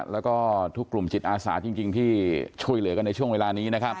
แล้วก็ทุกกลุ่มจิตอาสาจริงที่ช่วยเหลือกันในช่วงเวลานี้นะครับ